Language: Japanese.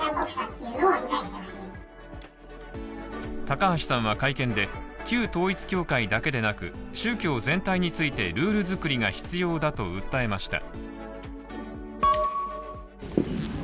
高橋さんは会見で、旧統一教会だけでなく宗教全体についてルール作りが必要だと訴えました。